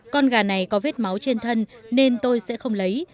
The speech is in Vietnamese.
con gà này có vết máu trên thân nên tôi sẽ không lấy